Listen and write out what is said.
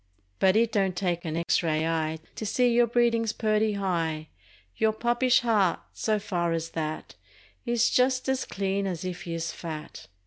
But it don't take an X ray eye To see your breedin's purty high— lour puppish heart, so far as that, Is just as clean as if you's fat.